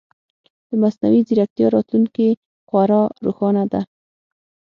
د مصنوعي ځیرکتیا راتلونکې خورا روښانه ده.